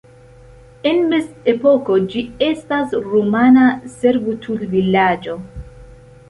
En mezepoko ĝi estis rumana servutulvilaĝo.